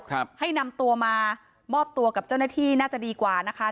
ให้นำตัวมามอบตัวกับเจ้าหน้าที่น่าจะดีกว่านะคะ